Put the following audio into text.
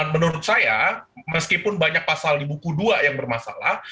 menurut saya meskipun banyak pasal di buku dua yang bermasalah